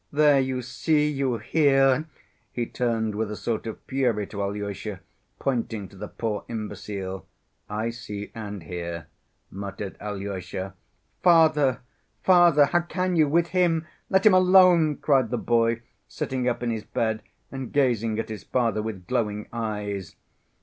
"There, you see, you hear?" he turned with a sort of fury to Alyosha, pointing to the poor imbecile. "I see and hear," muttered Alyosha. "Father, father, how can you—with him! Let him alone!" cried the boy, sitting up in his bed and gazing at his father with glowing eyes.